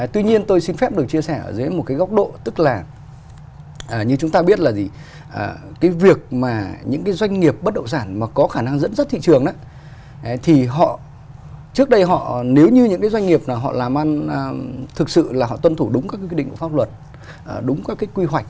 tuy nhiên tôi xin phép được chia sẻ ở dưới một cái góc độ tức là như chúng ta biết là gì cái việc mà những cái doanh nghiệp bất động sản mà có khả năng dẫn dắt thị trường thì họ trước đây họ nếu như những cái doanh nghiệp nào họ làm ăn thực sự là họ tuân thủ đúng các quy định của pháp luật đúng các cái quy hoạch